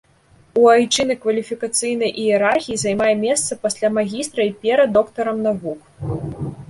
У айчыннай кваліфікацыйнай іерархіі займае месца пасля магістра і перад доктарам навук.